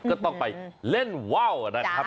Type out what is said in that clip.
ก็ต้องไปเล่นว่าว